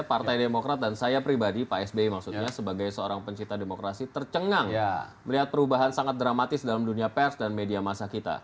partai demokrat dan saya pribadi pak sby maksudnya sebagai seorang pencipta demokrasi tercengang melihat perubahan sangat dramatis dalam dunia pers dan media masa kita